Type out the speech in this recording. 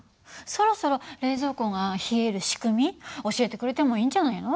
そろそろ冷蔵庫が冷える仕組み教えてくれてもいいんじゃないの？